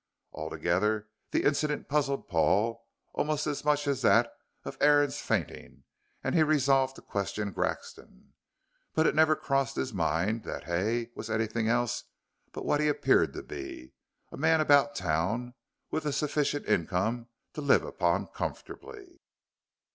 Altogether, the incident puzzled Paul almost as much as that of Aaron's fainting, and he resolved to question Grexon. But it never crossed his mind that Hay was anything else but what he appeared to be a man about town with a sufficient income to live upon comfortably.